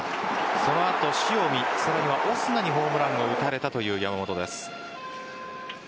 その後塩見、さらにはオスナにホームランを打たれたという山本です。